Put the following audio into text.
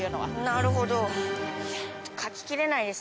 なるほど。